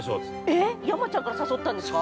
◆えっ山ちゃんから誘ったんですか？